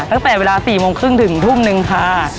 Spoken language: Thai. ตั้งแต่เวลา๔โมงครึ่งถึงทุ่มนึงค่ะ